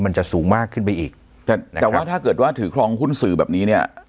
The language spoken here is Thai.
มันจะสูงมากขึ้นไปอีกแต่แต่ว่าถ้าเกิดว่าถือครองหุ้นสื่อแบบนี้เนี่ย